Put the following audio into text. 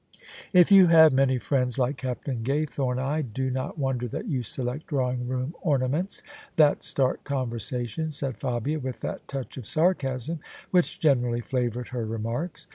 " If you have many friends like Captain Gaythome I do not wonder that you select drawing room ornaments that start conversation," said Fabia with that touch of sarcasm which generally flavoured her remarks.